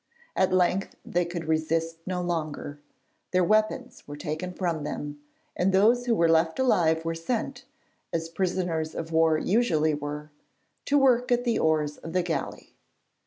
At length they could resist no longer; their weapons were taken from them, and those who were left alive were sent, as prisoners of war usually were, to work at the oars of the galley.